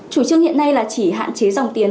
chủ trương hiện nay là chỉ hạn chế dòng tiền